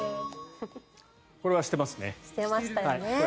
これはしてますね。